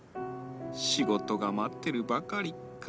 仕事が待ってるばかりか。